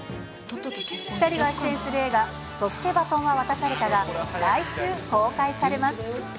２人が出演する映画、そして、バトンは渡されたが来週公開されます。